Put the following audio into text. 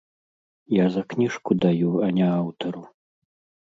Я за кніжку даю, а не аўтару.